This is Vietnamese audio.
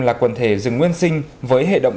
là quần thể rừng nguyên sinh với hệ động